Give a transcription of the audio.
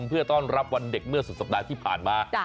เพื่อต้อนรับวันเด็กเมื่อสุดสัปดาห์ที่ผ่านมา